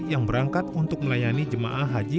yang berangkat untuk melayani jemaah haji